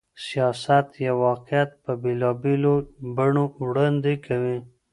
سياست يو واقعيت په بېلابېلو بڼو وړاندې کوي.